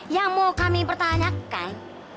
yang mau kami pertanyakan